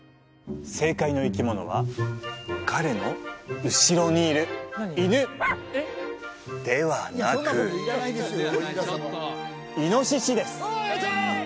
正解の生き物は彼の後ろにいる犬ではなくイノシシです